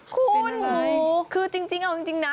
คุณคือจริงนะ